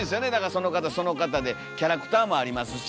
その方その方でキャラクターもありますし。